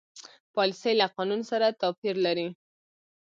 پالیسي له قانون سره توپیر لري.